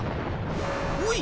おい！